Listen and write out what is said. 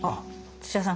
土屋さん